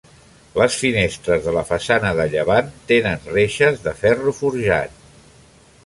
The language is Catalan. Les finestres de la façana de llevant tenen reixes de ferro forjat.